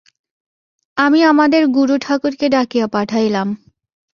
আমি আমাদের গুরুঠাকুরকে ডাকিয়া পাঠাইলাম।